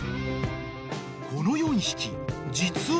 ［この４匹実は］